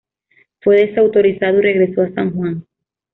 Fue desautorizado y regresó a San Juan.